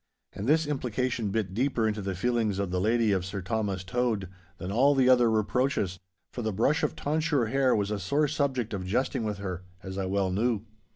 And this implication bit deeper into the feelings of the lady of Sir Thomas Tode than all the other reproaches, for the brush of tonsure hair was a sore subject of jesting with her, as I well knew.